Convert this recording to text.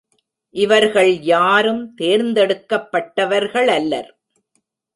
இவர்கள் யாரும் தேர்ந்தெடுக்கப் பட்டவர்களல்லர்.